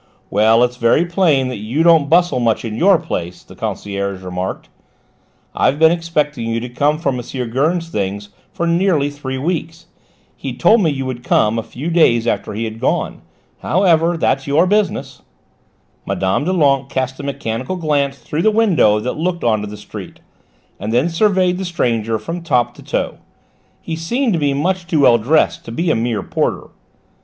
"Well, it's very plain that you don't bustle much in your place," the concierge remarked. "I've been expecting you to come for M. Gurn's things for nearly three weeks; he told me you would come a few days after he had gone. However, that's your business." Mme. Doulenques cast a mechanical glance through the window that looked on to the street, and then surveyed the stranger from top to toe; he seemed to be much too well dressed to be a mere porter.